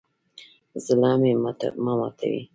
زړه مه ماتوئ